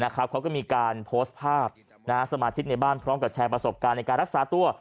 เขาก็มีการโพสต์ภาพสมาชิกในบ้านพร้อมกับแชร์ประสบการณ์ในการรักษาตัว